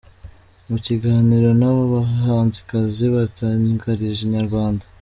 Mu kiganiro n'aba bahanzikazi batangarije Inyarwanda.